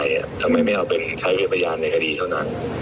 อย่างไรล่ะครับแล้วสิ่งที่เสียหายคนก็คือผม